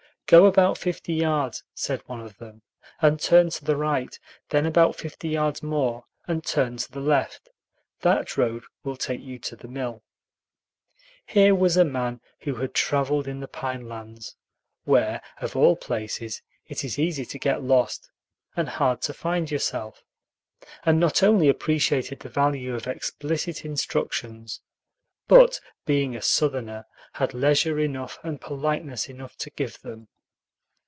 "Go about fifty yards," said one of them, "and turn to the right; then about fifty yards more, and turn to the left. That road will take you to the mill." Here was a man who had traveled in the pine lands, where, of all places, it is easy to get lost and hard to find yourself, and not only appreciated the value of explicit instructions, but, being a Southerner, had leisure enough and politeness enough to give them.